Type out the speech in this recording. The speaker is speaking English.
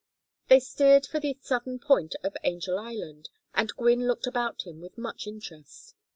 They steered for the southern point of Angel Island, and Gwynne looked about him with much interest.